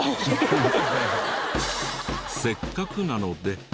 せっかくなので。